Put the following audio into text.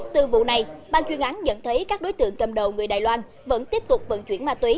từ vụ này ban chuyên án nhận thấy các đối tượng cầm đầu người đài loan vẫn tiếp tục vận chuyển ma túy